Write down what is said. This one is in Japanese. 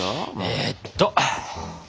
えっと。